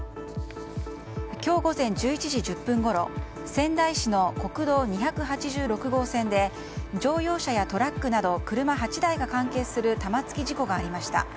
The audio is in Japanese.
今日午前１１時１０分ごろ仙台市の国道２８６号線で乗用車やトラックなど車８台が関係する玉突き事故がありました。